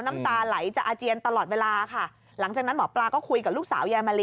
น้ำตาไหลจะอาเจียนตลอดเวลาค่ะหลังจากนั้นหมอปลาก็คุยกับลูกสาวยายมะลิ